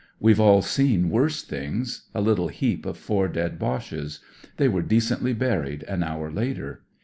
WeVe all seen worse things. A little heap of four dead Boches, They were decently buried an hour later.